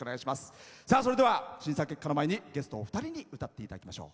それでは審査結果の前にゲストお二人に歌っていただきましょう。